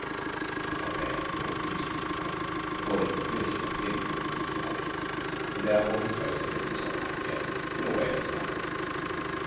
He could not bear the thoughts of using his talent according to the will of him from whom he had it, and therefore he chose to make himself happier in a way of his own.